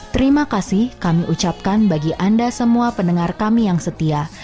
terima kasih kami ucapkan bagi anda semua pendengar kami yang setia